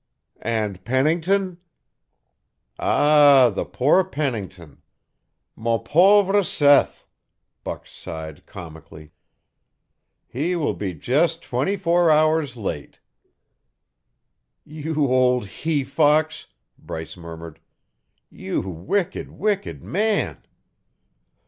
"And Pennington " "Ah, the poor Pennington! Mon pauvre Seth!" Buck sighed comically. "He will be just twenty four hours late." "You old he fox!" Bryce murmured. "You wicked, wicked man!"